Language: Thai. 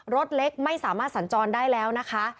รถเล็กไม่สามารถสัญจรได้แล้วนะคะ